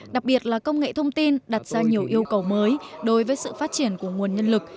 đặc biệt là công nghệ thông tin đặt ra nhiều yêu cầu mới đối với sự phát triển của nguồn nhân lực